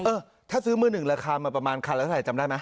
เออถ้าซื้อมือหนึ่งราคามาประมาณคันละเท่าไหร่จำได้ไหม